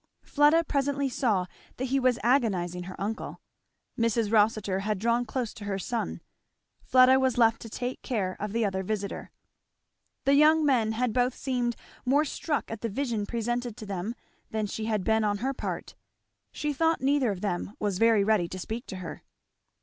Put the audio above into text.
Fleda presently saw that he was agonizing her uncle. Mrs. Rossitur had drawn close to her son. Fleda was left to take care of the other visitor. The young men had both seemed more struck at the vision presented to them than she had been on her part. She thought neither of them was very ready to speak to her.